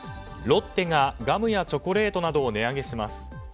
ロッテがガムやチョコレートなどを値上げします。